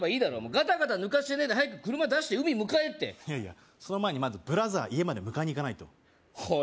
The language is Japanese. ガタガタぬかしてねえで早く車出して海向かえっていやいやその前にまずブラザー家まで迎えに行かないとおい